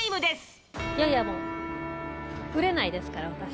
いやいやもうブレないですから私。